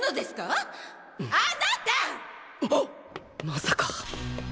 まさか？